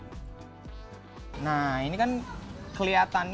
kenapa teman teman mau bersihkan tanaman ini